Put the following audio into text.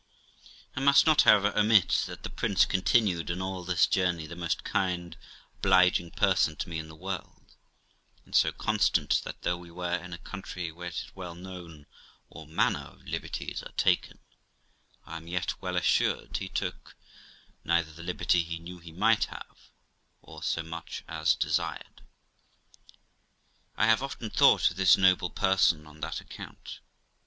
I must not, however, omit that the prince continued in all this journey the most kind, obliging person to me in the world, and so constant that, though we were in a country where it is well known all manner of liber ties are taken, 1 am yet well assured he neither took the liberty he knew he might have, or so much as desired it. I have often thought of this noble person on that account.